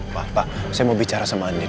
pak pak saya mau bicara sama andin